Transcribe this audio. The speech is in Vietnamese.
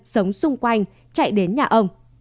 sống xung quanh chạy đến nhà ông